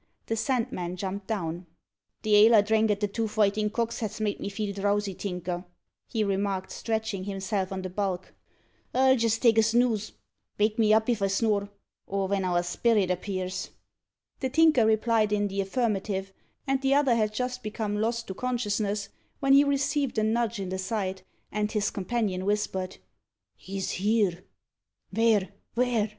The Sandman jumped down. "The ale I drank at the 'Two Fighting Cocks' has made me feel drowsy, Tinker," he remarked, stretching himself on the bulk; "I'll just take a snooze. Vake me up if I snore or ven our sperrit appears." The Tinker replied in the affirmative; and the other had just become lost to consciousness, when he received a nudge in the side, and his companion whispered "He's here!" "Vhere vhere?"